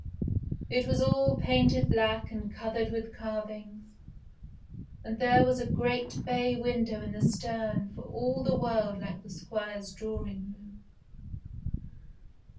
It was all painted black and covered with carvings, and there was a great bay window in the stern for all the world like the Squire's drawing room.